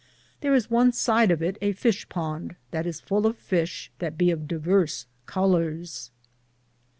Thare is one side of it a fishe ponde, that is full of fishe that be of divers collores.